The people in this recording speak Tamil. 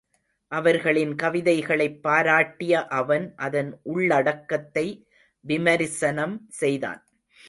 அவர்கள் கவிதைகளைப் பாராட்டிய அவன் அதன் உள்ளடக்கத்தை விமரிசனம் செய்தான்.